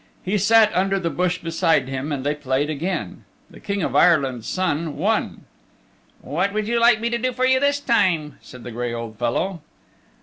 He sat under the bush beside him and they played again. The King of Ireland's Son won. "What would you like me to do for you this time?" said the gray old fellow.